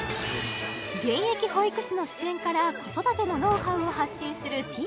現役保育士の視点から子育てのノウハウを発信するてぃ